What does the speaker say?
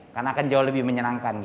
karena akan jauh lebih menyenangkan